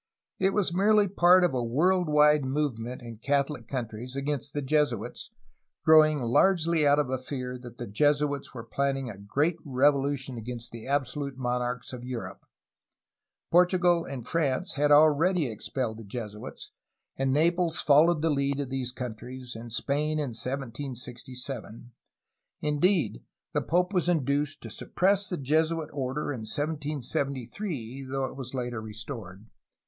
It was merely part of a world wide move ment in CathoHc countries against the Jesuits, growing largely out of a fear that the Jesuits were planning a great revolution against the absolute monarchs of Europe. Portu gal and France had already expelled the Jesuits, and Naples followed the lead of these countries and Spain in 1767; in deed the pope was induced to suppress the Jesuit order in 1773, though it was later restored.